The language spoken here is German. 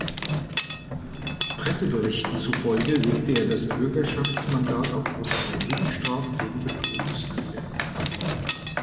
Presseberichten zufolge legte er das Bürgerschaftsmandat aufgrund einer Jugendstrafe wegen Betruges nieder.